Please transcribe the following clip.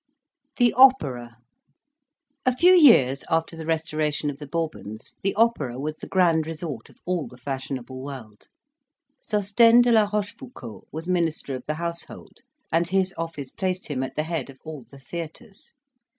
THE OPERA A few years after the restoration of the Bourbons, the opera was the grand resort of all the fashionable world. Sostennes de la Rochefoucauld was Minister of the Household, and his office placed him at the head of all the theatres. M.